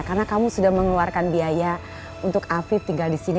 karena kamu sudah mengeluarkan biaya untuk afif tinggal disini